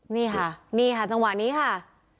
นี่ค่ะนี่ค่ะจังหวะนี้ค่ะ